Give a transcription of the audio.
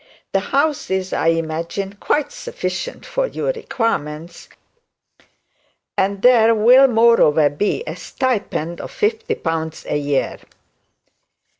The house is, I imagine, quite sufficient for your requirements: and there will moreover by a stipend of fifty pounds a year.'